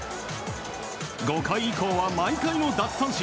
５回以降は毎回の奪三振。